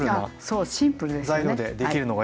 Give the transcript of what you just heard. そうシンプルですよね。